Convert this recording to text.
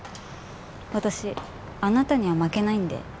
私あなたには負けないんで。